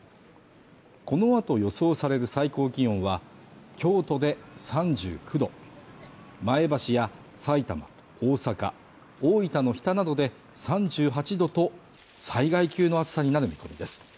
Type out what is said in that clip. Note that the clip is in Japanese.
このあと予想される最高気温は京都で３９度前橋やさいたま、大阪大分の日田などで３８度と災害級の暑さになる見込みです